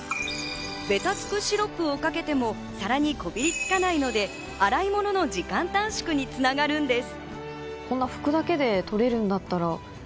べたつくシロップをかけても、皿にこびりつかないので洗い物の時間短縮に繋がるんです。